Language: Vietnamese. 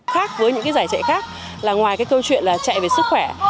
khác với những giải chạy khác ngoài câu chuyện chạy về sức khỏe